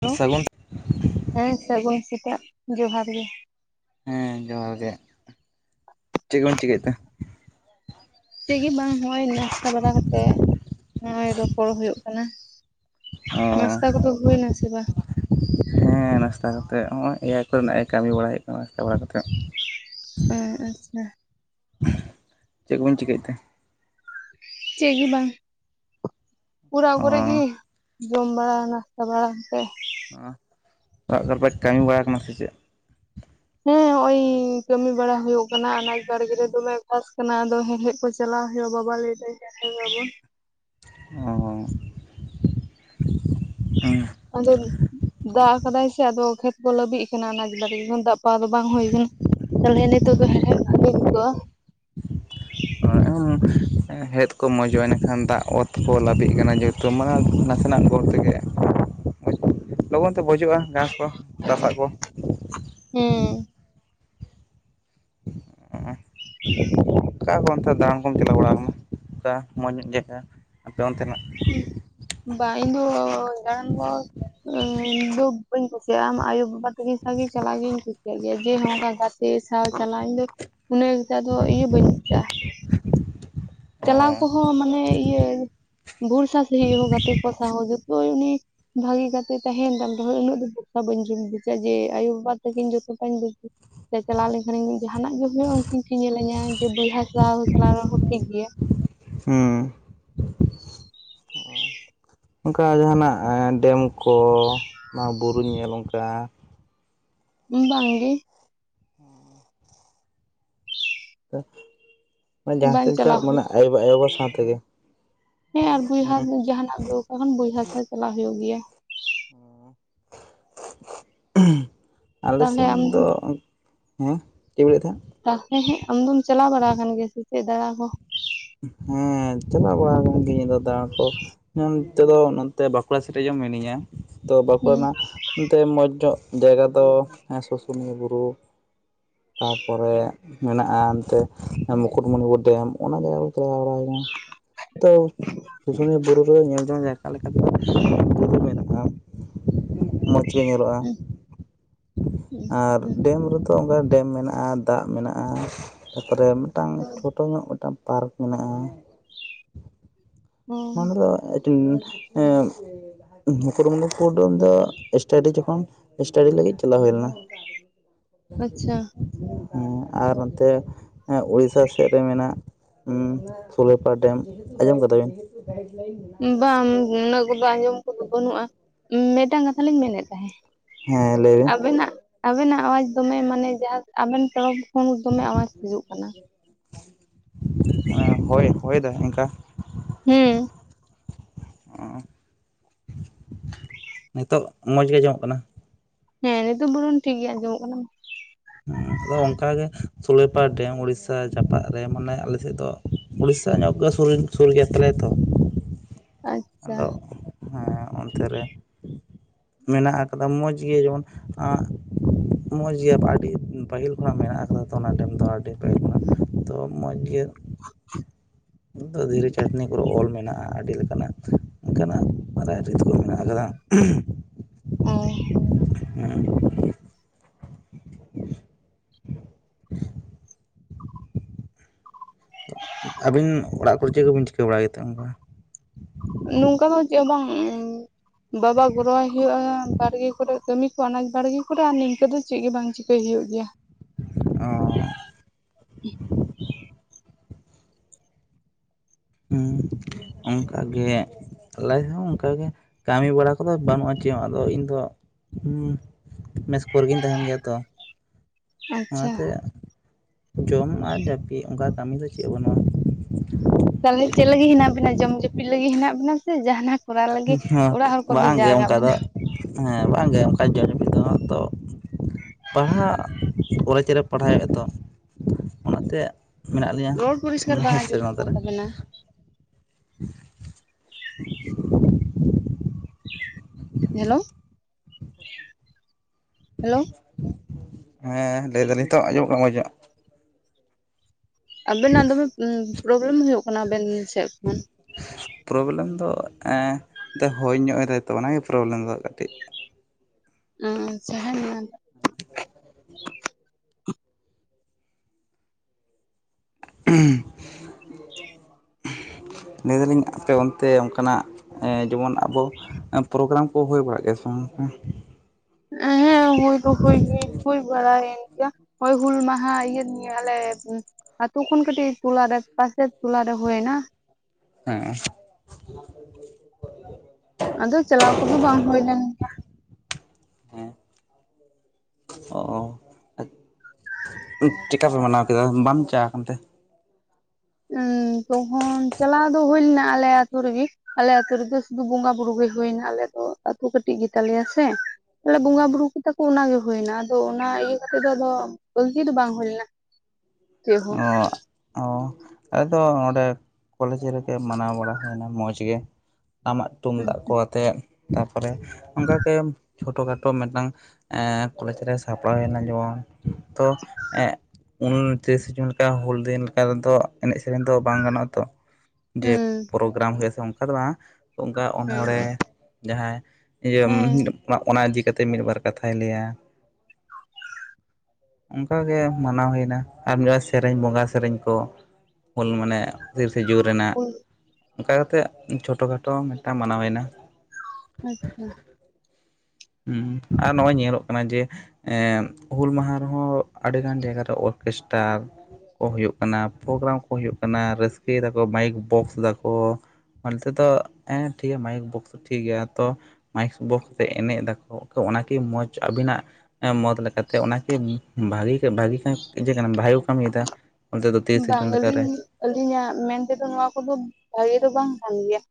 Hello, ᱥᱟᱹᱜᱩᱱ ᱦᱮᱸ ᱥᱟᱹᱜᱩᱱ ᱥᱮᱛᱟᱜ ᱡᱚᱦᱟᱨ ᱜᱮ᱾ ᱦᱮᱸ ᱡᱚᱦᱟᱨ ᱜᱮ, ᱪᱮᱫ ᱠᱚᱢ ᱪᱤᱠᱟᱹ ᱮᱫ ᱛᱮ? ᱪᱮᱜᱮ ᱵᱟᱝ ᱱᱚᱜ-ᱚᱭ ᱱᱟᱥᱛᱟ ᱵᱟᱲᱟ ᱠᱟᱛᱮᱜ ᱱᱚᱜᱚᱭ ᱨᱚᱯᱚᱲ ᱦᱩᱭᱩᱜ ᱠᱟᱱᱟ᱾ ᱚ, ᱱᱟᱥᱛᱟ ᱠᱚᱫᱚ ᱦᱩᱭᱱᱟ ᱥᱮ ᱵᱟᱝ ᱦᱮᱸ ᱱᱟᱥᱛᱟ ᱠᱟᱛᱮᱫ ᱦᱚᱸᱜᱼᱚᱭ ᱮ ᱟᱭ ᱠᱚᱨᱮᱱᱟᱜ ᱠᱟᱹᱢᱤ ᱵᱟᱲᱟᱭ ᱦᱩᱭᱩᱜ ᱠᱟᱱᱟ ᱱᱟᱥᱛᱟ ᱵᱟᱲᱟ ᱠᱟᱛᱮᱫ᱾ ᱚ, ᱟᱪᱪᱷᱟ᱾ ᱪᱮᱫ ᱠᱚ ᱵᱤᱱ ᱪᱤᱠᱟᱹᱭᱮᱫ ᱛᱮ? ᱪᱮᱫ ᱜᱮ ᱵᱟᱝ, ᱚᱲᱟᱣ ᱚ ᱠᱚᱨᱮ ᱜᱮ᱾ ᱡᱚᱢ ᱵᱟᱲᱟ ᱱᱟᱥᱛᱟ ᱵᱟᱲᱟ ᱠᱟᱛᱮ, ᱚ, ᱚᱲᱟᱜ ᱠᱚᱨᱮ ᱯᱮ ᱠᱟᱹᱢᱤ ᱵᱟᱲᱟᱜ ᱠᱟᱱᱟ ᱥᱮ ᱪᱮᱫ? ᱦᱮᱸ ᱦᱚᱸᱜ-ᱚᱭ ᱠᱟᱹᱢᱤ ᱵᱟᱲᱟ ᱦᱩᱭᱩᱜ ᱠᱟᱱᱟ ᱟᱱᱟᱡᱽ ᱵᱟᱲᱜᱮ ᱨᱮ ᱫᱚᱢᱮ ᱜᱷᱟᱥ ᱠᱟᱱᱟ ᱟᱫᱚ ᱦᱮᱲᱦᱮᱫ ᱠᱚ, ᱪᱟᱞᱟᱣ ᱦᱩᱭᱩᱜᱼᱟ ᱵᱟᱵᱟ ᱞᱮᱹᱭᱫᱟᱭ ᱦᱮᱲᱦᱮᱫᱟᱵᱚᱱ᱾ ᱚ, ᱟᱫᱚ, ᱫᱟᱜ ᱟᱠᱟᱫᱟᱭ ᱥᱮ ᱟᱫᱚ ᱠᱷᱮᱛ ᱠᱚ ᱞᱟᱹᱵᱤᱜ ᱠᱟᱱᱟ ᱚᱱᱟᱡ ᱵᱟᱲᱜᱮ ᱠᱚ ᱫᱟᱜ ᱯᱟᱣᱟ ᱫᱚ ᱵᱟᱝ ᱦᱩᱭ ᱟᱠᱟᱱᱟ᱾ ᱛᱟᱦᱚᱞᱮ ᱱᱤᱛᱚᱜ ᱫᱚ ᱦᱮᱲᱦᱮᱫ ᱵᱷᱟᱜᱤ ᱡᱩᱛᱩᱜᱼᱟ᱾ [unintelligible] ᱦᱮᱲᱦᱮᱫ ᱠᱚ ᱢᱚᱡᱚᱜᱼᱟ ᱮᱱᱮ ᱠᱷᱟᱱ ᱫᱟᱜ ᱚᱛ ᱠᱚ ᱞᱟᱹᱵᱤᱜ ᱠᱟᱱᱟ ᱡᱮᱦᱩᱛᱩ, ᱛᱳᱢᱟᱝ ᱱᱟᱥᱮᱱᱟᱜ ᱜᱚᱲ ᱛᱮᱜᱮ ᱞᱚᱜᱚᱱ ᱛᱮ ᱵᱚᱡᱚᱜᱼᱟ ᱜᱷᱟᱸᱥ ᱠᱚ ᱛᱟᱥᱟᱜ ᱠᱚ᱾ ᱦᱩᱸ, ᱚ, ᱚᱠᱟ ᱠᱚ ᱚᱱᱛᱮ ᱫᱟᱬᱟᱱ ᱠᱚᱢ ᱪᱟᱞᱟᱣ ᱵᱟᱲᱟᱣ ᱠᱟᱱᱟ ᱚᱠᱟ ᱢᱚᱡᱽ ᱧᱚᱜ ᱡᱟᱭᱜᱟ ᱟᱯᱮ ᱚᱱᱛᱮᱱᱟᱜ᱾ ᱦᱩᱸ, ᱵᱟᱝ ᱤᱧ ᱫᱚ ᱫᱟᱲᱟᱱ ᱫᱚ ᱫᱩ ᱵᱟᱹᱧ ᱠᱩᱥᱤᱭᱟᱜᱼᱟ ᱟᱢ ᱟᱭᱳ ᱵᱟᱵᱟ ᱩᱱᱠᱤᱱ ᱥᱟᱸᱶ ᱜᱮ ᱪᱟᱞᱟᱭ ᱜᱤᱧ ᱠᱩᱥᱤᱭᱟᱜ ᱜᱮᱭᱟ ᱡᱮ ᱱᱚᱝᱠᱟ ᱜᱟᱛᱮ ᱥᱟᱶ ᱪᱟᱞᱟᱣ ᱱᱟᱹᱝ᱾ ᱩᱱᱟᱹᱜ ᱮᱠᱴᱟ ᱫᱚ ᱤᱭᱟᱹ ᱵᱟᱹᱧ ᱵᱩᱡᱟ᱾ ᱚ ᱪᱟᱞᱟᱣ ᱠᱚᱦᱚᱸ ᱢᱟᱱᱮ ᱤᱭᱟᱹ ᱵᱷᱚᱨᱥᱟ ᱥᱟᱺᱦᱤᱡ ᱦᱚᱸ ᱜᱟᱛᱮ ᱠᱚ ᱥᱟᱶ ᱦᱚᱸ ᱡᱚᱛᱚᱭ ᱩᱱᱤ, ᱵᱷᱟᱹᱜᱤ ᱜᱟᱛᱮ ᱛᱟᱦᱮᱸᱱ ᱛᱟᱢ ᱨᱮᱦᱚᱸ ᱩᱱᱟᱹᱜ ᱫᱚ ᱵᱚᱨᱥᱟ ᱵᱟᱹᱧ ᱵᱩᱡᱟ ᱡᱮ ᱟᱭᱳ ᱵᱟᱵᱟ ᱛᱟᱹᱠᱤᱱ ᱡᱚᱛᱚ ᱴᱟᱧ ᱵᱩᱡᱠᱤᱱᱟ᱾ ᱥᱮ ᱪᱟᱞᱟᱣ ᱞᱮᱱ ᱠᱷᱟᱱᱤᱧ ᱡᱟᱦᱟᱸᱱᱟᱜ ᱜᱮ ᱦᱩᱭᱩᱜᱼᱟ ᱩᱱᱠᱤᱱ ᱠᱤᱱ ᱧᱮᱞᱤᱧᱟ ᱡᱮ ᱵᱚᱭᱦᱟ ᱥᱟᱶ ᱪᱟᱞᱟᱣ ᱨᱮᱦᱚᱸ ᱴᱷᱤᱠ ᱜᱮᱭᱟ᱾ ᱦᱩᱸ, ᱚᱱᱠᱟ ᱡᱟᱦᱟᱱᱟᱜ ᱰᱮᱢ ᱠᱚ ᱱᱚᱣᱟ ᱵᱩᱨᱩ ᱧᱮᱞ ᱚᱱᱠᱟ? ᱵᱟᱝ ᱜᱮ᱾ ᱛᱚ [unintelligible] ᱢᱟᱱᱮ ᱡᱟᱦᱟᱸ ᱵᱟᱝ ᱥᱮᱫ ᱮᱢ ᱪᱟ ᱪᱟᱞᱟᱣ ᱢᱟᱱᱮ ᱟᱭᱳ ᱼᱵᱟ ᱟᱭᱳᱼᱵᱟ ᱥᱟᱸᱶ ᱛᱮᱜᱮ᱾ ᱦᱮᱸ ᱟᱨ ᱵᱚᱭᱦᱟ ᱦᱩᱸ, ᱡᱟᱦᱟᱱᱟᱜ ᱫᱩᱠ ᱛᱚᱠᱷᱚᱱ ᱵᱚᱭᱦᱟ ᱥᱟᱶ ᱪᱟᱞᱟᱜ ᱦᱩᱭᱩᱜ ᱜᱮᱭᱟ᱾ [inaudible] ᱟᱞᱮ ᱛᱟᱦᱚᱞᱮ ᱥᱮᱫ ᱟᱢ ᱫᱚ, ᱦᱮᱸ ᱪᱮᱫ ᱵᱤᱱ ᱞᱟᱹᱭ ᱮᱫ ᱛᱟᱦᱮᱸᱫ? ᱛᱟᱦᱚᱞᱮ ᱦᱮᱸ ᱟᱢᱫᱚᱢ ᱪᱟᱞᱟᱣ ᱵᱟᱲᱟ ᱟᱠᱟᱱ ᱜᱮᱭᱟ ᱥᱮ ᱪᱮᱫ ᱫᱟᱬᱟ ᱠᱚ? ᱦᱮᱸ ᱪᱟᱞᱟᱣ ᱵᱟᱲᱟ ᱠᱟᱱ ᱜᱤᱭᱟᱹᱧ ᱤᱧᱫᱚ ᱫᱟᱬᱟ ᱠᱚ᱾ ᱦᱮᱸ ᱱᱤᱛᱚᱜ ᱫᱚ ᱱᱚᱛᱮ ᱵᱟᱸᱠᱩᱲᱟ ᱥᱮᱫ ᱨᱮ ᱡᱮ ᱢᱤᱱᱟᱹᱧᱟ ᱛᱚ ᱵᱟᱸᱠᱩᱲᱟ ᱦᱩᱸ ᱨᱮᱱᱟᱜᱼᱼ ᱮᱱᱛᱮ ᱢᱚᱡᱽ ᱧᱚᱜ ᱡᱟᱭᱜᱟ ᱫᱚ ᱥᱩᱥᱩᱱᱤᱭᱟᱹ ᱵᱩᱨᱩ ᱛᱟᱯᱚᱨᱮ ᱢᱮᱱᱟᱜᱼᱟ ᱚᱱᱛᱮ ᱢᱩᱠᱩᱴᱢᱩᱱᱤᱯᱩᱨ ᱰᱮᱢ ᱚᱱᱟ ᱡᱟᱭᱜᱟᱼᱼ [unintelligible] ᱛᱚ ᱥᱩᱥᱩᱱᱤᱭᱟᱹ ᱵᱩᱨᱩ ᱨᱮ ᱧᱮᱞ ᱡᱚᱝ ᱡᱟᱭᱜᱟ ᱞᱮᱠᱟ ᱫᱚ [unintelligible] ᱢᱚᱡᱽ ᱜᱮ ᱧᱮᱞᱚᱜᱼᱟ ᱦᱩᱸ ᱟᱨ ᱦᱩᱸ ᱰᱮᱢ ᱨᱮᱫᱚ ᱚᱱᱠᱟ ᱰᱮᱢ ᱢᱮᱱᱟᱜᱼᱟ ᱫᱟᱜ ᱢᱮᱱᱟᱜᱼᱟ᱾ ᱛᱟᱯᱚᱨᱮ ᱢᱤᱫᱴᱟᱝ ᱦᱩᱸ ᱪᱷᱳᱴᱚ ᱧᱚᱜ ᱢᱤᱫᱴᱟᱝ ᱯᱟᱨᱠ ᱢᱮᱱᱟᱜᱼᱟ᱾ ᱚ [unintelligible] ᱫᱚ ᱮᱸ ᱢᱩᱠᱩᱴᱢᱚᱱᱩᱱᱤ ᱯᱩᱨ ᱫᱚ ᱥᱴᱟᱰᱤ ᱡᱚᱠᱷᱚᱱ ᱥᱴᱟᱰᱤ ᱞᱟᱹᱜᱤᱫ ᱪᱟᱞᱟᱣ ᱦᱩᱭ ᱞᱮᱱᱟ᱾ ᱻ ᱟᱪᱪᱷᱟ ᱦᱮᱸ ᱟᱨ ᱚᱱᱛᱮ ᱩᱲᱤᱥᱟ ᱥᱮᱫ ᱨᱮ ᱢᱮᱱᱟᱜᱼᱼ ᱦᱩᱸ ᱥᱩᱞᱮᱯᱟᱨ ᱰᱮᱢ ᱟᱸᱡᱚᱢ ᱠᱟᱫᱟ ᱵᱤᱱ? ᱫᱚ ᱟᱸᱡᱚᱢ ᱠᱚᱫᱚ ᱵᱟᱹᱱᱩᱜᱼᱟ ᱢᱤᱫᱴᱟᱝ ᱠᱟᱛᱷᱟ ᱞᱤᱧ ᱢᱮᱱᱮᱫ ᱛᱟᱦᱮᱸᱫ? ᱦᱮᱸ ᱞᱟᱹᱭ ᱢᱮ? ᱟᱵᱮᱱᱟᱜ ᱟᱵᱮᱱᱟᱜ ᱟᱣᱟᱡᱽ ᱫᱚᱢᱮ ᱢᱟᱱᱮ ᱡᱟᱦᱟᱸ ᱟᱵᱮᱱ ᱛᱚᱨᱚᱯ ᱠᱷᱚᱱ ᱫᱚᱢᱮ ᱟᱣᱟᱡᱽ ᱦᱤᱡᱩᱜ ᱠᱟᱱᱟ᱾ ᱦᱳᱭ ᱦᱳᱭ ᱫᱟᱭ ᱚᱱᱠᱟ, ᱦᱮᱸ ᱱᱤᱛᱳᱜ ᱢᱚᱡᱽ ᱜᱮ ᱟᱸᱡᱚᱢᱚᱜ ᱠᱟᱱᱟ᱾ ᱦᱮᱸ ᱱᱤᱛᱚᱜ ᱵᱚᱨᱚᱱ ᱴᱷᱤᱠ ᱜᱮ ᱟᱸᱡᱚᱢᱚᱜ ᱠᱟᱱᱟ᱾ ᱦᱮᱸ ᱟᱫᱚ ᱚᱱᱠᱟ ᱜᱮ ᱥᱩᱞᱮᱯᱟᱨ ᱰᱮᱢ ᱩᱲᱤᱥᱟ ᱡᱟᱯᱟᱜ ᱨᱮ ᱢᱟᱱᱮ ᱟᱞᱮᱥᱮᱫ ᱫᱚ, ᱩᱲᱤᱥᱟ ᱧᱚᱜ ᱜᱮ ᱥᱩᱨ ᱜᱮᱭᱟ ᱛᱟᱞᱮ ᱛᱚ ᱟᱪᱪᱷᱟ ᱟᱫᱚ ᱦᱮᱸ ᱚᱱᱛᱮ ᱨᱮᱼᱼ ᱢᱮᱱᱟᱜ ᱟᱠᱟᱫᱟ ᱢᱚᱡᱽ ᱜᱮ ᱡᱮᱢᱚᱱ ᱟᱜᱼᱼ ᱢᱚᱡᱽ ᱜᱮᱭᱟ ᱟᱹᱰᱤ ᱯᱟᱹᱦᱤᱞ ᱠᱷᱚᱱᱟᱜ ᱢᱮᱱᱟᱜ ᱟᱠᱟᱫᱟ ᱛᱚ ᱚᱱᱟ ᱰᱮᱢ ᱫᱚ ᱟᱹᱰᱤᱼᱼ ᱢᱚᱡᱽ ᱜᱮ ᱫᱚ ᱫᱷᱤᱨᱤ ᱪᱟᱹᱴᱱᱤ ᱠᱚᱨᱮ ᱚᱞ ᱢᱮᱱᱟᱜᱼᱟ ᱟᱹᱰᱤ ᱞᱮᱠᱟᱱᱟᱜ ᱚᱱᱠᱟᱱᱟᱜ ᱨᱟᱭ ᱨᱤᱛ ᱠᱚ ᱢᱮᱱᱟᱜ ᱟᱠᱟᱫᱟ᱾ ᱦᱳᱭ [unintelligible] ᱟᱹᱵᱤᱱ ᱚᱲᱟᱜ ᱠᱚᱨᱮ ᱪᱮᱫ ᱠᱚᱵᱤᱱ ᱪᱤᱠᱟᱹ ᱵᱟᱲᱟᱭᱮᱫᱟ ᱚᱱᱠᱟ? ᱱᱚᱝᱠᱟ ᱫᱚ ᱪᱮᱫ ᱵᱟᱝ? ᱵᱟᱵᱟ ᱜᱨᱚᱦᱚᱭ ᱦᱩᱭᱩᱜᱳᱜᱼᱟ ᱵᱟᱲᱜᱮ ᱠᱚᱨᱮ ᱠᱟᱹᱢᱤ ᱠᱚ ᱟᱱᱟᱡ ᱵᱟᱲᱜᱮ ᱠᱚᱨᱮ ᱟᱨ ᱱᱤᱝᱠᱟᱹ ᱫᱚ ᱪᱮᱫ ᱜᱮ ᱵᱟᱝ ᱪᱤᱠᱠᱟᱼᱟ, ᱪᱤᱠᱹᱭ ᱦᱩᱭᱩᱜ ᱜᱮᱭᱟ᱾ ᱚᱸᱻ ᱦᱮᱸ ᱚᱱᱠᱟ ᱜᱮ ᱟᱞᱟᱭ ᱦᱚᱸ ᱚᱱᱠᱟᱜᱮ ᱠᱟᱹᱢᱤ ᱵᱟᱲᱟ ᱠᱚᱫᱚ ᱵᱟᱹᱱᱩᱜᱼᱟ ᱪᱮᱫ ᱟᱫᱚ ᱤᱧ ᱫᱚ ᱦᱮᱸ ᱢᱮᱥ ᱠᱚᱨᱮ ᱜᱤᱧ ᱛᱟᱦᱮᱱ ᱜᱮᱭᱟ ᱛᱚ ᱟᱪᱪᱷᱟ ᱚᱱᱟᱛᱮ ᱡᱚᱢ ᱟᱨ ᱡᱟᱹᱯᱤᱫ ᱚᱱᱠᱟ ᱠᱟᱹᱢᱤ ᱫᱚ ᱪᱮᱫ ᱵᱟᱹᱱᱩᱜᱼᱟ᱾ ᱛᱟᱦᱚᱞᱮ ᱪᱮᱫ ᱞᱟᱹᱜᱤᱫ ᱦᱮᱱᱟᱜ ᱵᱤᱱᱟ ᱡᱚᱢ ᱡᱟᱹᱯᱤᱫ ᱞᱟᱹᱜᱤᱫ ᱦᱮᱱᱟᱜ ᱵᱤᱱᱟ ᱥᱮ ᱡᱟᱦᱟᱱᱟᱜᱼᱼ ᱠᱚᱨᱟᱣ ᱞᱟᱹᱜᱤᱫ ᱵᱟᱹᱱᱩᱜᱼᱟ ᱚᱲᱟᱜ ᱦᱚᱲ ᱠᱚ ᱵᱷᱮᱡᱟ ᱵᱟᱝᱜᱮ ᱟᱠᱟᱫ ᱚᱱᱠᱟ ᱫᱚ ᱵᱮᱱᱟ᱾ ᱦᱮᱸ ᱵᱟᱝ ᱜᱮ ᱚᱱᱠᱟ ᱡᱚᱢ ᱫᱚ ᱛᱚᱼᱼ ᱯᱟᱲᱦᱟᱜ ᱠᱚᱞᱮᱡᱽ ᱨᱮ ᱯᱟᱲᱦᱟᱣ ᱦᱩᱭᱩᱜᱼᱟ ᱛᱚ ᱚᱱᱟᱛᱮ ᱢᱮᱱᱟᱜ ᱞᱤᱧᱼᱟ ᱨᱚᱲ ᱯᱚᱨᱤᱥᱠᱟᱨ ᱦᱮᱸ ᱥᱮ ᱟᱸᱡᱚᱢᱚᱜ ᱵᱟᱝ ᱠᱟᱱ ᱛᱟᱦᱚᱞᱮ ᱛᱟᱵᱮᱱᱟ [inaudible] ᱦᱮᱞᱳ ᱦᱮᱞᱳ ᱦᱮᱸ ᱞᱟᱹᱭ ᱫᱟᱞᱤᱧ ᱛᱚᱜ ᱟᱸᱡᱚᱢᱚᱜ ᱠᱟᱱᱟ ᱢᱚᱡ ᱧᱚᱜ ᱟᱵᱮᱱᱟᱜ ᱫᱚᱢᱮ ᱯᱨᱚᱵᱞᱮᱢ ᱦᱩᱭᱩᱜ ᱠᱟᱱᱟ ᱟᱵᱮᱱ ᱥᱮᱫ ᱠᱷᱚᱱ᱾ ᱯᱨᱚᱵᱞᱮᱢ ᱫᱚ ᱦᱳᱭ ᱧᱚᱜ ᱮᱫᱟᱭ ᱛᱚ ᱚᱱᱟᱜᱮ ᱯᱨᱚᱵᱞᱮᱢ ᱫᱚ ᱠᱟᱹᱴᱤᱡ᱾ ᱦᱮᱸ [inaudible] ᱞᱟᱹᱭᱫᱟᱞᱤᱧ ᱟᱯᱮ ᱚᱱᱛᱮ ᱚᱱᱠᱟᱱᱟᱜ ᱡᱮᱢᱚᱱ ᱟᱵᱚ ᱯᱨᱳᱜᱨᱟᱢ ᱠᱚ ᱦᱳᱭ ᱵᱟᱲᱟᱜ ᱜᱮᱭᱟ ᱥᱮ ᱵᱟᱝ ᱚᱱᱠᱟ ᱦᱮᱸ ᱦᱩᱭ ᱫᱚ ᱦᱩᱭ ᱵᱟᱲᱟᱭᱮᱱ ᱜᱮᱭᱟ ᱦᱳᱭ ᱦᱩᱞ ᱢᱟᱦᱟ ᱤᱭᱟᱹ ᱟᱞᱮ ᱟᱛᱩ ᱠᱷᱚᱱ ᱠᱟᱴᱤᱡ ᱴᱩᱞᱟᱨᱮ ᱯᱟᱥᱮᱨ ᱴᱩᱞᱟ ᱨᱮ ᱦᱳᱭ ᱮᱱᱟ ᱦᱮᱸ [inaudible] ᱟᱫᱳ ᱪᱟᱞᱟᱣ ᱠᱚᱫᱚ ᱵᱟᱝ ᱦᱩᱭ ᱞᱮᱱ ᱜᱮᱭᱟ᱾ ᱦᱮᱸ ᱚᱸ ᱪᱮᱫ ᱠᱟ ᱯᱮ ᱢᱟᱱᱟᱣ ᱠᱮᱫᱟ ᱵᱟᱢ ᱪᱟᱣ ᱟᱠᱟᱱᱛᱮ᱾ ᱩᱸ ᱛᱚᱠᱷᱚᱱ ᱪᱟᱞᱟᱣ ᱫᱚ ᱦᱳᱭ ᱞᱮᱱᱟ ᱟᱞᱮ ᱟᱛᱩ ᱨᱮᱜᱮ ᱟᱞᱮ ᱟᱹᱛᱩ ᱨᱮᱫᱚ ᱥᱩᱫᱩ ᱵᱚᱸᱜᱟ ᱵᱩᱨᱩ ᱜᱮ ᱦᱩᱭᱱᱟ ᱟᱞᱮ ᱫᱚᱛ ᱠᱟᱹᱴᱤᱡ ᱜᱮᱛᱟᱞᱮᱭᱟ ᱥᱮ ᱟᱞᱮ ᱵᱚᱸᱜᱟ ᱵᱩᱨᱩ ᱠᱮᱫᱟ ᱠᱚ ᱚᱱᱟᱜᱮ ᱦᱩᱭᱱᱟ ᱟᱫᱚ ᱚᱱᱟ ᱤᱭᱟᱹ ᱠᱟᱛᱮᱜ ᱫᱚ ᱟᱫᱚ ᱵᱟᱞᱛᱤ ᱫᱚ ᱵᱟᱝ ᱦᱩᱭ ᱞᱮᱱᱟ᱾ ᱪᱮᱫ ᱦᱚᱸ ᱚᱸ ᱚᱸ ᱟᱫᱚ ᱚᱸᱰᱮ ᱠᱚᱞᱮᱡᱽ ᱨᱮᱜᱮ ᱢᱟᱱᱟᱣ ᱵᱟᱲᱟ ᱦᱩᱭᱱᱟ ᱢᱚᱡᱽ ᱜᱮ ᱴᱟᱢᱟᱠ ᱛᱩᱢᱫᱟᱜ ᱠᱚ ᱟᱛᱮᱜ ᱛᱟᱯᱚᱨᱮ ᱚᱱᱠᱟᱜᱮ ᱪᱷᱳᱴᱳ ᱠᱷᱟᱴᱳ ᱢᱤᱫᱴᱟᱝ ᱠᱚᱞᱮᱡᱽ ᱨᱮ ᱥᱟᱯᱲᱟᱣᱱᱟ ᱡᱮᱢᱚᱱ ᱛᱳ ᱩᱱ ᱛᱤᱨᱤᱥ ᱡᱩᱱ ᱞᱮᱠᱟ ᱦᱩᱞ ᱫᱤᱱ ᱞᱮᱠᱟ ᱮᱱᱮᱡ ᱥᱮᱨᱮᱧ ᱫᱚ ᱵᱟᱝ ᱜᱟᱱᱚᱜᱼᱟ ᱛᱳ ᱡᱮ ᱦᱩᱸ ᱯᱚᱨᱚᱵᱽ ᱜᱨᱟᱢ ᱦᱩᱭᱩᱜ ᱟᱥᱮ ᱚᱱᱠᱟ ᱫᱚ ᱵᱟᱝ ᱚᱱᱠᱟ ᱚᱱᱚᱲᱦᱮᱸ ᱡᱟᱦᱟᱸᱭ ᱤᱭᱟᱹ ᱦᱮᱸ ᱚᱱᱟ ᱤᱫᱤ ᱠᱟᱛᱮᱫ ᱢᱤᱫ ᱵᱟᱨ ᱠᱟᱛᱷᱟᱭ ᱞᱟᱹᱭᱟ᱾ ᱚᱱᱠᱟᱜᱮ ᱢᱟᱱᱟᱣ ᱦᱩᱭᱱᱟ ᱟᱨ ᱢᱤᱫ ᱥᱮᱨᱮᱧ ᱵᱚᱸᱜᱟ ᱥᱮᱨᱮᱧ ᱠᱚ ᱦᱩᱞ ᱢᱟᱱᱮ ᱛᱤᱨᱤᱥᱮ ᱡᱩᱱ ᱨᱮᱱᱟᱜ ᱚᱱᱠᱟ ᱠᱟᱛᱮᱫ ᱪᱷᱳᱴᱳ ᱠᱷᱟᱴᱳ ᱢᱤᱫᱴᱟᱝ ᱢᱟᱱᱟᱣ ᱦᱩᱭ ᱮᱱᱟ᱾ ᱟᱪᱪᱷᱟ ᱦᱩᱸ ᱟᱨ ᱱᱚᱜᱼᱚᱭ ᱧᱮᱞᱚᱜ ᱠᱟᱱᱟ ᱡᱮ ᱮᱸ ᱦᱩᱞ ᱢᱟᱦᱟ ᱨᱮᱦᱚᱸ ᱟᱹᱰᱤᱜᱟᱱ ᱡᱟᱭᱜᱟᱨ ᱨᱮ ᱚᱨᱠᱮᱥᱴᱟᱨ। ᱠᱚ ᱦᱩᱭᱩᱜ ᱠᱟᱱᱟ ᱯᱨᱳᱜᱨᱟᱢ ᱠᱚ ᱦᱩᱭᱩᱜ ᱠᱟᱱᱟ᱾ ᱨᱟᱹᱥᱠᱟᱹᱭ ᱫᱟᱠᱚ ᱢᱟᱭᱤᱠ ᱵᱚᱠᱥ ᱫᱟᱠᱚ। ᱚᱱᱛᱮ ᱫᱚ ᱮᱸ ᱴᱷᱤᱠ ᱜᱮᱭᱟ ᱢᱟᱭᱤᱠ ᱵᱚᱠᱥ ᱴᱷᱤᱠ ᱜᱮᱭᱟ ᱛᱚ ᱢᱟᱭᱤᱠ ᱵᱚᱠᱥ ᱛᱮ ᱮᱱᱮᱡ ᱫᱟ ᱚᱱᱟᱠᱤ ᱢᱚᱡᱽ ᱟᱹᱵᱤᱱᱟᱜ ᱢᱚᱛ ᱞᱮᱠᱟᱛᱮ ᱚᱱᱟᱠᱤ ᱵᱷᱟᱹᱜᱤ ᱵᱷᱟᱹᱜᱤ ᱠᱟᱹᱢᱤ ᱤᱡᱟᱹ ᱠᱟᱱᱟᱢ ᱵᱷᱟᱜᱮ ᱠᱚ ᱠᱟᱹᱢᱤᱭᱮᱫᱟ ᱚᱱᱛᱮ ᱫᱚ ᱛᱤᱨᱤᱥᱮ ᱵᱟᱝ ᱡᱩᱱ ᱞᱮᱠᱟ ᱨᱮ? ᱟᱹᱞᱤᱧ ᱟᱹᱞᱤᱧᱟᱜ ᱢᱮᱱᱛᱮ ᱫᱚ ᱱᱚᱣᱟ ᱠᱚᱫᱚ ᱵᱷᱟᱜᱮ ᱫᱚ ᱵᱟᱝ ᱠᱟᱱ ᱜᱮᱭᱟ।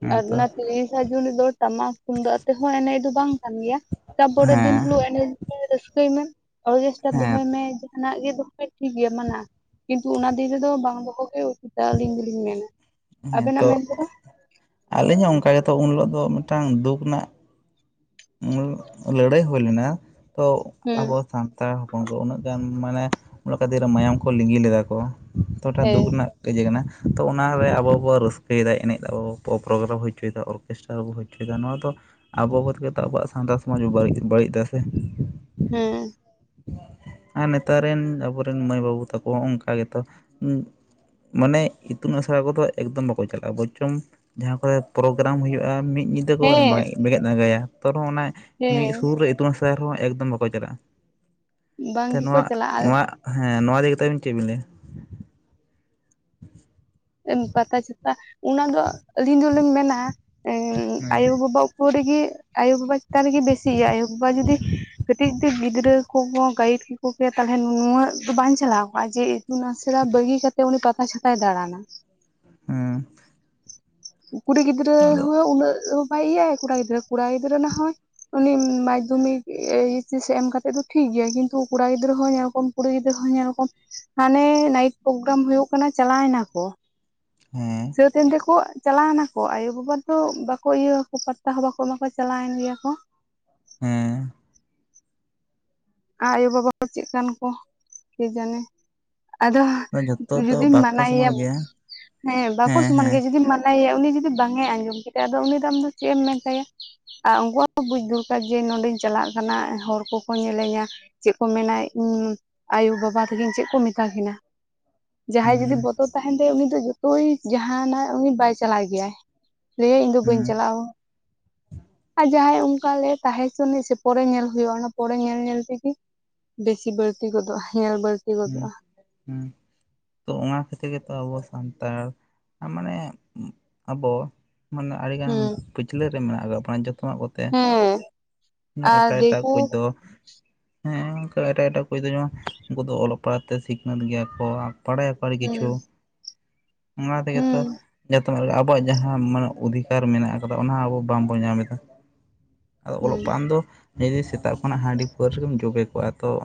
ᱦᱮᱸ ᱟᱨ ᱛᱚ ᱚᱱᱟ ᱛᱤᱨᱤᱥᱟ ᱡᱩᱱ ᱨᱮᱫᱚ ᱴᱟᱢᱟᱠ ᱛᱩᱢᱫᱟᱜ ᱟ ᱛᱮᱦᱚᱸ ᱮᱱᱮᱡ ᱫᱚ ᱵᱟᱝ ᱼᱼ ᱠᱟᱱ ᱜᱮᱭᱟ ᱛᱟᱨᱯᱚᱨᱮᱨ ᱫᱤᱱ ᱦᱮᱸ ᱦᱤᱞᱚᱜ ᱮᱱᱮᱡ ᱢᱮ ᱨᱟᱹᱥᱠᱟᱹᱭ ᱢᱮ ᱚᱨᱠᱮᱥᱴᱟᱨ ᱦᱮᱸ ᱫᱚᱦᱚᱭ ᱢᱮ। ᱡᱟᱦᱱᱟᱜ ᱜᱮ ᱫᱚᱦᱚᱭ ᱢᱮ ᱴᱷᱤᱠ ᱜᱮᱭᱟ ᱢᱟᱱᱟ ᱠᱤᱱᱛᱩ ᱚᱱᱟ ᱫᱤᱱ ᱨᱮᱫᱚ ᱵᱟᱝ ᱫᱚᱦᱚ ᱜᱮ ᱩᱥᱤᱛᱟ ᱟᱹᱞᱤᱧ ᱫᱚᱞᱤᱧ ᱢᱮᱱᱟ। ᱦᱮᱸ ᱟᱵᱮᱱᱟᱜ ᱛᱳ ᱢᱮᱱ ᱛᱮᱫᱚ ᱟᱹᱞᱤᱧ ᱦᱚᱸ ᱚᱱᱠᱟ ᱜᱮᱛᱚ ᱩᱱ ᱦᱤᱞᱚᱜ ᱫᱚ ᱢᱤᱫᱴᱟᱝ ᱫᱩᱠᱷ ᱨᱮᱱᱟᱜ ᱼᱼ ᱞᱟᱹᱲᱦᱟᱹᱭ ᱦᱩᱭ ᱞᱮᱱᱟ ᱛᱳ ᱦᱩᱸ ᱟᱵᱚ ᱥᱟᱱᱛᱟᱲ ᱦᱚᱯ [inaudible] ᱩᱱᱟᱹᱜ ᱜᱟᱱ ᱢᱟᱱᱮ ᱚᱱᱟ ᱠᱷᱛᱤᱨ ᱨᱮ ᱢᱟᱭᱟᱢ ᱠᱚ ᱞᱤᱸᱜᱤ ᱞᱮᱫᱟ ᱠᱚ᱾ ᱚᱛᱚᱴᱟ ᱦᱮᱸ ᱫᱩᱠᱷ ᱨᱮᱱᱟᱜ ᱼᱼ ᱡᱮ ᱠᱟᱱᱟ ᱛᱳ ᱚᱱᱟᱨᱮ ᱟᱵᱚᱵᱚ ᱨᱟᱹᱥᱠᱟᱹᱭᱮᱫᱟ ᱮᱱᱮᱡ ᱮᱫᱟᱵᱚ ᱯᱨᱳᱜᱨᱟᱢ ᱦᱩᱭ ᱦᱚᱪᱚᱭᱮᱫᱟ ᱵᱚ ᱠᱮᱥᱴᱟᱨ ᱵᱚ ᱦᱩᱭ ᱪᱚᱭᱮᱫᱟ ᱱᱚᱣᱟ ᱫᱚ ᱟᱵᱚ ᱟᱵᱚ ᱛᱮᱜᱮ ᱛᱳ ᱟᱵᱚᱣᱟᱜ ᱥᱟᱱᱛᱟᱲ ᱥᱚᱢᱟᱡᱽ ᱵᱚ ᱵᱟᱹᱲᱤᱡ ᱵᱟᱹᱲᱤᱡ ᱮᱫᱟ ᱥᱮ? ᱦᱮᱸ ᱟᱨ ᱱᱮᱛᱟᱨ ᱨᱮᱱ ᱟᱵᱚ ᱨᱮᱱ ᱢᱟᱹᱭ ᱵᱟᱹᱵᱩ ᱛᱟᱠᱚ ᱚᱱᱠᱟ ᱜᱮᱛᱚ ᱩᱸ ᱼᱼ ᱢᱟᱱᱮ ᱤᱛᱩᱱ ᱟᱥᱲᱟ ᱠᱚᱫᱚ ᱮᱠᱫᱚᱢ ᱵᱟᱠᱚ ᱪᱟᱞᱟᱜᱼᱟ᱾ ᱵᱚᱨᱪᱚᱱ ᱼᱼ ᱡᱟᱦᱟᱸ ᱠᱚᱨᱮ ᱯᱨᱳᱜᱨᱟᱢ ᱦᱩᱭᱩᱜᱼᱟ ᱢᱤᱫ ᱧᱤ ᱛᱮᱠᱚ ᱦᱮᱸ [unintelligible] ᱵᱮᱸᱜᱮᱫ ᱟᱸᱜᱟᱭᱟ᱾ ᱛᱚ ᱨᱮᱦᱚᱸ ᱚᱱᱟ ᱢᱤᱫ ᱦᱮᱸ ᱥᱩᱨ ᱨᱮ ᱤᱛᱩᱱ ᱟᱥᱲᱟ ᱨᱮᱦᱚᱸ ᱮᱠᱫᱚᱢ ᱵᱟᱠᱚ ᱪᱟᱞᱟᱜᱼᱟ। ᱵᱟᱝ ᱛᱮ ᱜᱮᱠᱚ ᱱᱚᱣᱟ, ᱪᱟᱞᱟᱜᱼᱟ ᱱᱚᱣᱟ ᱦᱮᱸ ᱱᱚᱣᱟ ᱤᱫᱤ ᱠᱟᱛᱮ ᱟᱵᱤᱱ ᱪᱮᱫ ᱵᱤᱱ ᱞᱟᱹᱭᱟ? ᱮᱢ ᱯᱟᱛᱟ ᱪᱷᱟᱛᱟ ᱚᱱᱟ ᱫᱚ ᱟᱹᱞᱤᱧ ᱫᱚᱞᱤᱧ ᱢᱮᱱᱟ ᱮᱸ ᱦᱮᱸ ᱟᱭᱳ ᱵᱟᱵᱟ ᱼᱼ [unintelligible] ᱨᱮᱜᱮ ᱟᱭᱳ ᱵᱟᱵᱟ ᱪᱮᱛᱟᱱ ᱨᱮᱜᱮ ᱵᱮᱥᱤᱜᱼᱟ᱾ ᱟᱭᱳ ᱵᱟᱵᱟ ᱡᱩᱫᱤ ᱼᱼ ᱠᱟᱹᱴᱤᱡ ᱛᱮ ᱜᱤᱫᱽᱨᱟᱹ ᱠᱚᱠᱚ ᱜᱟᱹᱭᱤᱰ ᱠᱮᱠᱚ ᱜᱮᱭᱟ ᱛᱟᱞᱦᱮ ᱱᱩᱱᱟᱹᱜ ᱫᱚ ᱵᱟᱝ ᱪᱟᱞᱟᱣ ᱠᱚᱜᱼᱟ ᱡᱮ ᱼᱼ ᱛᱩᱱ ᱟᱥᱲᱟ ᱵᱟᱹᱜᱤ ᱠᱟᱛᱮ ᱩᱱᱤ ᱯᱟᱛᱟ ᱪᱷᱟᱛᱟᱭ ᱫᱟᱬᱟᱱᱟ। ᱦᱮᱸ ᱠᱩᱲᱤ ᱜᱤᱫᱽᱨᱟᱹ ᱼᱼ ᱟᱫᱚ ᱩᱱᱟᱹᱜ ᱦᱚᱸ ᱵᱟᱭ ᱤᱭᱟᱹ ᱠᱚᱲᱟ ᱜᱤᱫᱽᱨᱟᱹ ᱠᱚᱲᱟ ᱜᱤᱫᱽᱨᱟᱹ ᱱᱟᱦᱚᱭ ᱼᱼ ᱩᱱᱤ ᱢᱟᱫᱽᱫᱷᱚᱢᱤᱠ ᱮᱭᱤᱪᱮᱥ ᱮᱢ ᱠᱟᱛᱮᱫ ᱫᱚ ᱴᱷᱤᱠ ᱜᱮᱭᱟ, ᱠᱤᱱᱛᱩ ᱠᱚᱲᱟ ᱜᱤᱫᱽᱨᱟᱹ ᱦᱚᱸ ᱧᱮᱞᱠᱚᱢ ᱼᱼ ᱠᱩᱲᱤ ᱜᱤᱫᱽᱨᱟᱹ ᱦᱚᱸ ᱧᱮᱞᱚᱠᱚᱢ᱾ ᱦᱟᱱᱮᱻ ᱱᱟᱭᱤᱴ ᱯᱨᱳᱜᱨᱟᱢ ᱦᱩᱭᱩᱜ ᱠᱟᱱᱟ ᱪᱟᱞᱟᱭ ᱱᱟ ᱠᱚ। ᱦᱮᱸ ᱥᱟᱹᱛ ᱮᱱ ᱛᱮᱠᱚ ᱪᱟᱞᱟᱣ ᱱᱟᱠᱚ ᱟᱭᱳᱵᱟᱵᱟ ᱫᱚ ᱵᱟᱠᱚ ᱤᱭᱟᱹ ᱟᱠᱚ ᱯᱟᱛᱛᱟ ᱦᱚᱸ ᱵᱟᱠᱚ ᱮᱢᱟ ᱠᱚᱣᱟ ᱪᱟᱞᱟᱣᱮᱱ ᱜᱮᱭᱟ ᱠᱚ। ᱦᱮᱸ᱾ ᱟᱨ ᱟᱭᱳᱼᱵᱟᱵᱟ ᱪᱮᱫᱠᱟᱱ ᱠᱚ, ᱠᱮ ᱡᱟᱱᱮ? ᱟᱫᱚ ᱡᱷᱚᱛᱚ ᱫᱚ ᱡᱩᱫᱤᱢ ᱵᱟᱠᱚ ᱢᱟᱱᱟᱭ ᱭᱟ, ᱥᱚᱢᱟᱱ ᱜᱮᱭᱟ ᱦᱮᱸ ᱵᱟᱠᱚ ᱥᱚᱢᱟᱱ ᱜᱮᱭᱟ ᱡᱩᱫᱤᱢ ᱢᱟᱱᱟᱣ [unintelligible] ᱢᱟᱱᱟᱭ ᱭᱟ ᱩᱱᱤ ᱡᱩᱫᱤ ᱵᱟᱝᱮ ᱟᱸᱡᱚᱢ ᱠᱮᱫᱟ ᱟᱫᱚ ᱩᱱᱤ ᱫᱚ ᱟᱢᱫᱚ ᱪᱮᱫ ᱮᱢ ᱢᱮᱛᱟᱭᱟ? ᱟᱨ ᱩᱱᱠᱩᱣᱟᱜ ᱦᱚᱸ ᱵᱩᱡᱽ ᱫᱚᱨᱠᱟᱨ ᱡᱮ, ᱱᱚᱰᱮᱧ ᱪᱟᱞᱟᱜ ᱠᱟᱱᱟ ᱦᱚᱲ ᱠᱚᱠᱚ ᱧᱮᱞᱮᱧᱟ। ᱪᱮᱫ ᱠᱚ ᱢᱮᱱᱟ ᱤᱧ ᱟᱭᱳᱼᱵᱟᱵᱟ ᱛᱟᱹᱠᱤᱱ ᱪᱮᱫ ᱠᱚ ᱢᱮᱛᱟ ᱠᱤᱱᱟᱹ? ᱡᱟᱦᱟᱸᱭ ᱡᱩᱫᱤ ᱦᱩᱸ ᱵᱚᱛᱚᱨ ᱛᱟᱦᱮᱱ ᱛᱟᱭᱟ, ᱩᱱᱤ ᱫᱚ ᱡᱚᱛᱚᱭ ᱡᱟᱦᱱᱟᱜ ᱩᱱᱤ ᱵᱟᱭ ᱪᱟᱞᱟᱭ ᱜᱮᱭᱟᱭ। ᱞᱟᱹᱭᱟᱭ ᱤᱧᱫᱚ ᱵᱟᱹᱧ ᱦᱩᱸ ᱪᱟᱞᱟᱜᱼᱟ ᱳ। ᱟᱨ ᱡᱟᱦᱟᱸᱭ ᱚᱱᱠᱟ ᱞᱮ ᱛᱟᱦᱮᱸ ᱪᱚᱱᱤᱡ ᱥᱮ, ᱯᱚᱨᱮ ᱧᱮᱞ ᱦᱩᱭᱩᱜᱼᱟ᱾ ᱚᱱᱟ ᱯᱚᱨᱮ ᱧᱮᱞ ᱧᱮᱞ ᱛᱮᱜᱮ ᱼᱼ ᱵᱮᱥᱤ ᱵᱟᱹᱲᱛᱤ ᱜᱚᱫᱚᱜᱼᱟ, ᱧᱮᱞ ᱵᱟᱹᱲ ᱦᱮᱸ ᱦᱮᱸ᱾ ᱛᱚ ᱚᱱᱟ ᱠᱷᱟᱹᱛᱤᱨ ᱜᱮᱛᱚ ᱟᱵᱚ ᱥᱟᱱᱛᱟᱲ, ᱟᱨ ᱢᱟᱱᱮ ᱟᱵᱚ᱾ ᱢᱟᱱᱮ ᱟᱹᱰᱤ ᱜᱟᱱ ᱦᱮᱸ ᱯᱟᱹᱪᱷᱞᱟᱹ ᱨᱮ ᱢᱮᱱᱟᱜ ᱠᱟᱜ ᱵᱚᱱᱟ ᱡᱚᱛᱚ ᱣᱟᱜ ᱵᱚ ᱛᱮ, ᱦᱮᱸ ᱢᱟᱱᱮ ᱟᱨ ᱮᱴᱟᱜ ᱮᱴᱟ ᱫᱤᱠᱩ ᱠᱷᱚᱡ [unintelligible] ᱫᱚ। ᱦᱮᱸ ᱚᱱᱠᱟ ᱮᱴᱟᱜ ᱮᱴᱟᱜ ᱠᱩᱡ ᱫᱚ ᱡᱮᱢᱚᱱ ᱩᱱᱠᱩ ᱫᱚ ᱚᱞᱚᱜ ᱯᱟᱲᱦᱟᱜ ᱛᱮ ᱥᱤᱠᱷᱱᱟᱹᱛ ᱜᱮᱭᱟ ᱠᱚ ᱵᱟᱲᱟᱭᱟ ᱟᱹᱰᱤ ᱦᱩᱸ ᱠᱤᱪᱷᱩ, ᱚᱱᱟ ᱛᱮᱜᱮ ᱛᱚ ᱦᱩᱸ ᱡᱟ ᱛᱟᱦᱚᱞᱮ ᱟᱵᱚᱣᱟᱜ ᱡᱟᱦᱟᱸ ᱢᱟᱱᱮ ᱚᱫᱷᱤᱠᱟᱨ ᱢᱮᱱᱟᱜ ᱟᱠᱟᱫᱟ, ᱚᱱᱟ ᱟᱵᱚ ᱵᱟᱝᱵᱚᱱ ᱧᱟᱢ ᱮᱫᱟ। ᱟᱫᱚ ᱦᱩᱸ ᱚᱞᱚᱜ ᱯᱟᱱ [unintelligible] ᱫᱚ ᱡᱩᱫᱤ ᱥᱮᱛᱟᱜ ᱠᱷᱚᱱᱟᱜ ᱦᱟᱺᱰᱤ ᱯᱟᱹᱣᱨᱟ ᱨᱮᱜᱮᱢ ᱡᱚᱵᱮ ᱠᱚᱜᱼᱟ ᱛᱚ ᱼᱼ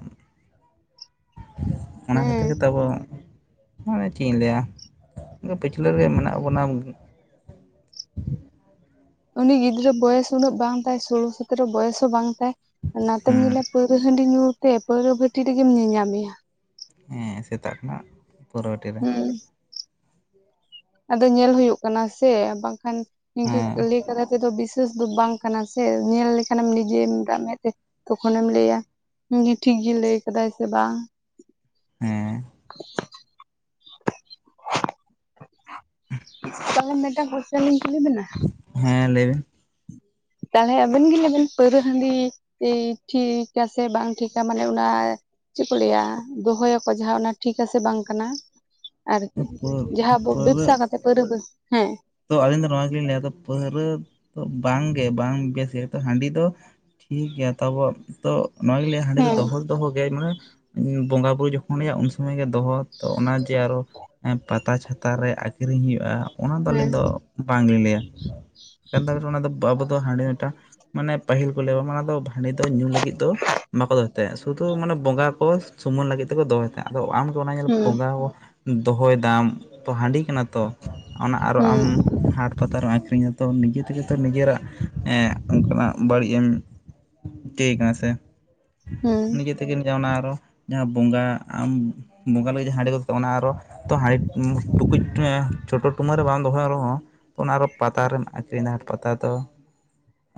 ᱚᱱᱟ ᱦᱮᱸ ᱠᱷᱟᱹᱛᱤᱨ ᱜᱮᱛᱚ ᱟᱵᱚ ᱢᱟᱱᱮ ᱪᱮᱫ ᱤᱧ ᱞᱟᱹᱭᱟ, ᱯᱤᱪᱷᱞᱟᱹ ᱨᱮᱜᱮ ᱢᱮᱱᱟᱜ ᱵᱚᱱᱟ ᱩᱱᱤ ᱜᱤᱫᱽᱨᱟᱹ ᱵᱚᱭᱮᱥ ᱩᱱᱟᱹᱜ ᱵᱟᱝ ᱛᱟᱭ ᱥᱚᱞᱳ ᱥᱟᱛᱨᱚ ᱵᱚᱭᱮᱥ ᱦᱚᱸ ᱵᱟᱝ ᱛᱟᱭ ᱚᱱᱟᱛᱮᱢ ᱦᱮᱸ ᱧᱮᱞᱟ ᱯᱟᱹᱣᱨᱟᱹ ᱦᱟᱺᱰᱤ ᱧᱩ ᱛᱮ ᱯᱟᱹᱣᱨᱟᱹ ᱵᱷᱟᱹᱴᱤ ᱨᱮᱜᱮᱢ ᱧᱮᱧᱟᱢᱮᱭᱟ᱾ ᱦᱮᱸ ᱥᱮᱛᱟᱜ ᱠᱷᱚᱱ ᱯᱟᱹᱣᱨᱟᱹ ᱴᱤ ᱨᱮ᱾ ᱦᱩᱸ ᱟᱫᱚ ᱧᱮᱞ ᱦᱩᱭᱩᱜ ᱠᱟᱱᱟ ᱥᱮ, ᱵᱟᱝᱠᱷᱟᱱ ᱱᱤᱝᱠᱟᱹ ᱦᱮᱸ ᱞᱟᱹᱭ ᱠᱟᱛᱟ ᱠᱚᱫᱚ ᱵᱮᱥᱤ [unintelligible] ᱫᱚ ᱵᱟᱝ ᱠᱟᱱᱟ ᱥᱮ ᱧᱮᱞ ᱞᱮᱠᱷᱟᱱᱮᱢ ᱱᱤᱡᱮᱢ ᱨᱟᱜ ᱢᱮᱫ ᱛᱮ ᱛᱚᱠᱷᱚᱱᱮᱢ ᱞᱟᱹᱭᱟ ᱤᱧ ᱜᱮ ᱴᱷᱤᱠ ᱜᱮ ᱞᱟᱹᱭ ᱟᱠᱟᱫᱟᱭ ᱥᱮ ᱵᱟᱝ ᱦᱮᱸ᱾ ᱛᱟᱦᱚᱞᱮ ᱢᱤᱫᱴᱟᱝ ᱠᱳᱥᱪᱮᱱ ᱞᱤᱧ ᱠᱩᱞᱤ ᱵᱮᱱᱟ? ᱦᱮᱸ, ᱞᱟᱹᱭ ᱵᱮᱱ ᱾ ᱛᱟᱦᱚᱞᱮ, ᱟᱵᱮᱱ ᱜᱮ, ᱞᱟᱹᱭ ᱵᱮᱱ ᱯᱟᱹᱣᱨᱟᱹ ᱦᱟᱺᱰᱤ ᱤ ᱴᱷᱤᱼᱠ ᱟᱥᱮ ᱵᱟᱝ ᱴᱷᱤᱠᱟ? ᱢᱟᱱᱮ ᱚᱱᱟ ᱪᱮᱫ ᱠᱚ ᱞᱟᱹᱭᱟ ᱾ ᱫᱚᱦᱚ ᱭᱟᱠᱚ ᱡᱟᱦᱟ, ᱸ ᱚᱱᱟ ᱴᱷᱤᱠ ᱟᱥᱮ, ᱵᱟᱝ ᱠᱟᱱᱟ ᱾ ᱟᱨᱠᱤ, ᱡᱟᱦᱟᱸᱵᱚ, ᱯᱟᱹᱣᱨᱟᱹ ᱵᱮᱵᱥᱟ ᱠᱟᱛᱮ ᱯᱟᱣᱨᱟᱹ [unintelligible] ᱦᱮᱸ ᱛᱚ, ᱟᱹᱞᱤᱧ ᱫᱚ, ᱱᱚᱣᱟ ᱜᱮᱞᱤᱧ ᱞᱟᱹᱭᱟ, ᱯᱟᱹᱣᱨᱟᱹ ᱫᱚ, ᱵᱟᱝ ᱜᱮ, ᱵᱟᱝ ᱵᱮᱥ ᱜᱮ ᱛᱚ, ᱦᱟᱺᱰᱤ ᱫᱚ ᱴᱷᱤᱠ ᱜᱮᱭᱟ, ᱛᱟᱵᱚ ᱾ ᱛᱚ, ᱱᱚᱣᱟᱜᱮᱧ ᱞᱟᱹᱭᱟ, ᱦᱟᱺᱰᱤ ᱫᱚ, ᱦᱮᱸ ᱫᱚᱦᱚ ᱫᱚ, ᱫᱚᱦᱚ ᱜᱮ, ᱢᱟᱱᱮ ᱵᱚᱸᱜᱟ ᱵᱩᱨᱩ ᱡᱚᱠᱷᱚᱱᱼᱭᱟᱜ, ᱩᱱ ᱥᱚᱢᱚᱭ ᱜᱮ, ᱫᱚᱦᱚ ᱛᱚ, ᱚᱱᱟ ᱡᱮ ᱟᱨᱚ ᱮᱸᱼ ᱯᱟᱛᱟ ᱪᱷᱟᱛᱟ ᱨᱮ, ᱟᱠᱷᱨᱤᱧ ᱦᱩᱭᱩᱜᱼᱟ ᱾ ᱚᱱᱟ ᱫᱚ ᱟᱹᱞᱤᱧ ᱦᱮᱸ ᱫᱚ, ᱵᱟᱝᱞᱤᱧ ᱞᱟᱹᱭᱟ ᱾ ᱠᱟᱱ ᱛᱟᱵᱤᱱ ᱚᱱᱟ ᱫᱚ, ᱟᱵᱚ ᱫᱚ, ᱦᱟᱺᱰᱤ ᱢᱤᱫᱴᱟᱝ, ᱢᱟᱱᱮ, ᱯᱟᱹᱦᱤᱞ ᱠᱚ, ᱞᱟᱹᱭᱟ, ᱚᱱᱟ ᱫᱚ ᱦᱟᱺᱰᱤ ᱫᱚ, ᱧᱩ ᱞᱟᱹᱜᱤᱫ ᱫᱚ, ᱵᱟᱠᱚ ᱫᱚᱦᱚᱭ ᱛᱟᱦᱮᱸ, ᱥᱩᱫᱷᱩ ᱢᱟᱱᱮ, ᱵᱚᱸᱜᱟ ᱠᱚ, ᱥᱩᱢᱩᱱ ᱞᱟᱹᱜᱤᱫ ᱛᱮᱠᱚ, ᱫᱚᱦᱚᱭ ᱾ ᱟᱫᱚ ᱟᱢ ᱫᱚ, ᱚᱱᱟ ᱧᱮᱞ ᱦᱩᱸ ᱵᱚᱸᱜᱟᱼᱣᱟ ᱫᱚᱦᱚ ᱮᱫᱟᱢ ᱛᱚ, ᱦᱟᱺᱰᱤ ᱠᱟᱱᱟ ᱛᱚ ᱾ ᱟᱨᱚ, ᱦᱩᱸ ᱟᱢ ᱦᱟᱴ ᱯᱟᱛᱟ ᱨᱮᱢ ᱟᱹᱠᱷᱨᱤᱧᱟ ᱛᱚ, ᱱᱤᱡᱮ ᱛᱮᱜᱮ ᱛᱚ, ᱱᱤᱡᱮᱨᱟᱜ, ᱮᱸᱜᱼ ᱚᱱᱠᱟᱱᱟᱜ ᱵᱟᱹᱲᱤᱡ ᱮᱢ ᱴᱤᱠᱟ. ᱭ ᱠᱟᱱᱟ ᱥᱮ? ᱦᱩᱸ ᱱᱤᱡᱮ ᱛᱮ ᱛᱮᱜᱮᱱ ᱡᱟ, ᱚᱱᱟ ᱟᱨᱚ, ᱡᱟᱦᱟᱸ ᱵᱚᱸᱜᱟ ᱟᱢ ᱵᱚᱸᱜᱟ ᱞᱟᱹᱜᱤᱫ ᱡᱟᱦᱟ ᱦᱟᱺᱰᱤ ᱫᱚᱨᱠᱟᱨ, ᱚᱱᱟ ᱟᱨᱚ, ᱛᱚ, ᱦᱟᱺᱰᱤ ᱴᱩᱠᱩᱡ ᱟᱸ ᱪᱚᱰᱚᱨ ᱴᱩᱢᱟᱹ ᱨᱮ ᱵᱟᱢ ᱫᱚᱦᱚᱭ ᱨᱮᱦᱚᱸ ᱛᱚ, ᱚᱱᱟ ᱟᱨᱚ ᱯᱟᱛᱟ ᱨᱮᱢ, ᱟᱹᱠᱷᱨᱤᱧᱟ ᱾ᱦᱟᱴ ᱯᱟᱛᱟ ᱫᱚ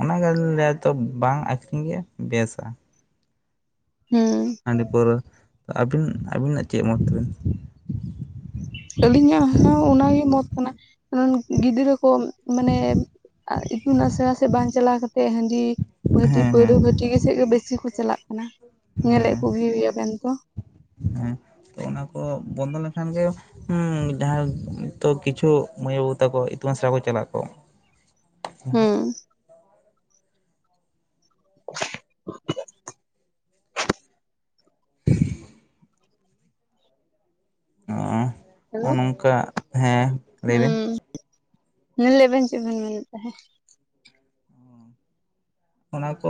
ᱚᱱᱟ ᱜᱮ ᱟᱞᱤᱧ ᱞᱟᱭᱟ, ᱛᱚ, ᱵᱟᱝ ᱟᱠᱷᱨᱤᱧ ᱜᱮ ᱵᱮᱥᱟ ᱾ ᱦᱩᱸᱻ ᱾ ᱦᱟᱺᱰᱤ ᱯᱟᱹᱣᱨᱟᱹ, ᱟᱹᱵᱤᱱ, ᱟᱹᱵᱤᱱᱟᱜ ᱪᱮᱫ ᱢᱚᱛ ᱛᱮᱵᱤᱱ? ᱟᱹᱞᱤᱧᱟᱜ ᱦᱚᱸ, ᱚᱱᱟ ᱜᱮ ᱢᱚᱛ ᱠᱟᱱᱟ, ᱜᱤᱫᱽᱨᱟᱹ ᱠᱚ, ᱢᱟᱱᱮ, ᱤᱛᱩᱱ ᱟᱥᱲᱟ ᱥᱮᱫ, ᱵᱟᱝ ᱪᱟᱞᱟᱣ ᱠᱟᱛᱮᱫ ᱦᱟᱺᱰᱤ, ᱵᱷᱟᱹᱴᱤ, ᱦᱮᱸ ᱦᱮᱸ ᱯᱟᱹᱣᱨᱟᱹ ᱵᱷᱟᱹᱴᱤ ᱜᱮ, ᱥᱮᱫ ᱜᱮ ᱵᱮᱥᱤ ᱠᱚ, ᱪᱟᱞᱟᱜ ᱠᱟᱱᱟ ᱾ ᱧᱮᱞ ᱮᱫ ᱦᱮᱸ ᱠᱚ, ᱜᱮᱭᱟ ᱵᱮᱱ ᱛᱚ ᱾ ᱦᱮᱸ, ᱛᱚ, ᱚᱱᱟ ᱠᱚ, ᱵᱚᱱᱫᱚ ᱞᱮᱠᱷᱟᱱ ᱜᱮ, ᱦᱩᱸᱻ, ᱡᱟᱦᱟᱸᱭ ᱛᱚ ᱠᱤᱪᱷᱩ, ᱢᱟᱹᱭ ᱵᱟᱹᱵᱩ ᱛᱟᱠᱚ, ᱤᱛᱩᱱ ᱟᱥᱲᱟ ᱠᱚ, ᱪᱟᱞᱟᱜ ᱠᱚᱜ ᱾ ᱦᱩᱸᱻ ᱾ [unintelligible] ᱚᱸᱨ-ᱲ, ᱚᱱᱚᱝᱠᱟ ᱦᱮᱸ ᱾ ᱩᱼᱳᱸᱻ ᱞᱟᱹᱭ ᱞᱮᱵᱮᱱ, ᱪᱮᱫ ᱵᱮᱱ ᱢᱮᱱᱮᱫ ᱛᱟᱦᱮᱸ? ᱚᱱᱟ ᱠᱚ,